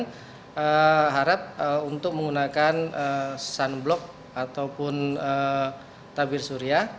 kita harus menggunakan sunblock atau tabir surya